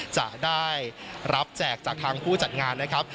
จะได้รับแจกจากทางผู้จัดงานนะครับ